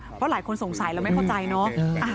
เพราะหลายคนสงสัยเราไม่เข้าใจเนาะ